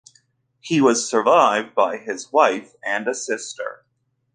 He was survived by his wife and a sister.